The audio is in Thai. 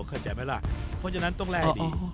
เข้าใจไหมครับเพราะฉะนั้นต้องแล